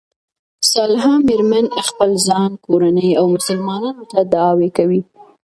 صالحه ميرمن خپل ځان، کورنۍ او مسلمانانو ته دعاوي کوي.